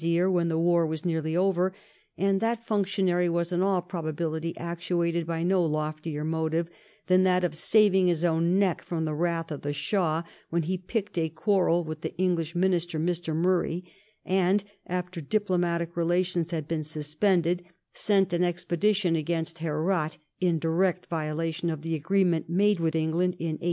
Visier when the war was nearly over; and that funo* tionary was in all prohability actuated by no loftier motive than that of saving his own neok from the wrath of the Shah^ when he picked a qaarrel with the English Minister, Mr. Marray, and, after diplomatic relations had been suspended, sent an expedition against Herat in direct violation of the agreement made with England in 1868.